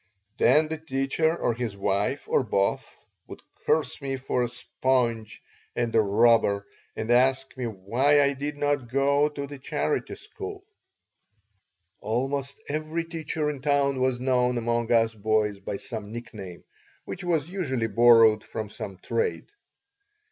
Then the teacher or his wife, or both, would curse me for a sponge and a robber, and ask me why I did not go to the charity school Almost every teacher in town was known among us boys by some nickname, which was usually borrowed from some trade.